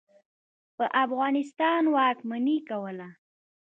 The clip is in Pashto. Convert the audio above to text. په افغانستان واکمني کوله.